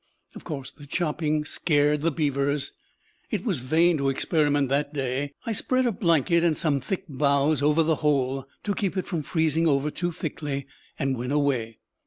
Of course the chopping scared the beavers; it was vain to experiment that day. I spread a blanket and some thick boughs over the hole to keep it from freezing over too thickly, and went away.